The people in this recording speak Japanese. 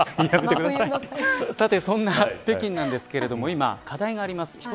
さてそんな北京なんですけれども今、課題があります。